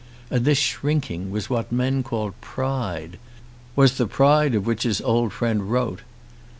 And this shrinking was what men called pride, was the pride of which his old friend wrote!